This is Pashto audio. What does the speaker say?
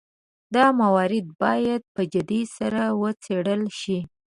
دا مورد باید په جدیت سره وڅېړل شي.